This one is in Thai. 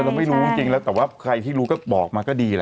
เราไม่รู้จริงแล้วแต่ว่าใครที่รู้ก็บอกมาก็ดีแหละ